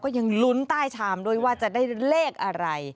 ยังลุ้นใต้ชามด้วยว่าจะได้เลขอะไร